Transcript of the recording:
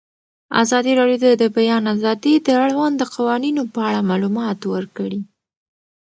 ازادي راډیو د د بیان آزادي د اړونده قوانینو په اړه معلومات ورکړي.